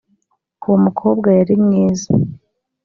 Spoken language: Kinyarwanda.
uwo mukobwa yari mwiza